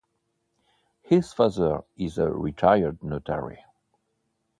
His father is a retired notary.